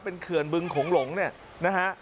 เป็นเขื่อนบึงโขงหลงเนี่ยนะฮะ